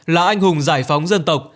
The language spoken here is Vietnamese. là anh hùng giải phóng dân tộc